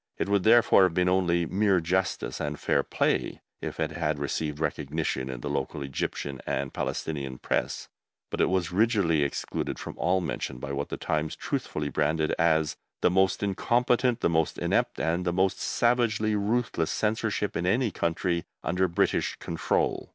It would, therefore, have been only mere justice and fair play if it had received recognition in the local Egyptian and Palestinian Press, but it was rigidly excluded from all mention by what the Times truthfully branded as "the most incompetent, the most inept, and the most savagely ruthless censorship in any country under British control."